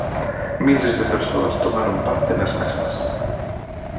Miles de persoas tomaron parte nas mesmas.